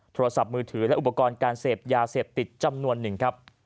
โทรศัพท์มือถือและอุปกรณ์การเสพยาเสพติดจำนวนหนึ่งครับ